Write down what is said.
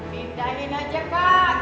pindahin aja pak